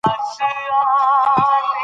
شپې د عمر غلیماني ورځي وخوړې کلونو